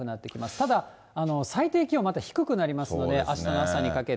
ただ最低気温、また低くなりますので、あしたの朝にかけて。